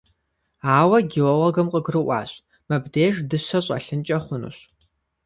Ауэ геологым къыгурыӀуащ: мыбдеж дыщэ щӀэлъынкӀэ хъунущ.